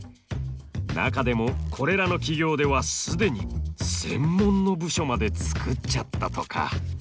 中でもこれらの企業では既に専門の部署まで作っちゃったとか。